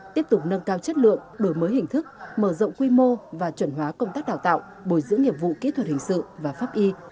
tiếp tục nâng cao chất lượng đổi mới hình thức mở rộng quy mô và chuẩn hóa công tác đào tạo bồi dưỡng nghiệp vụ kỹ thuật hình sự và pháp y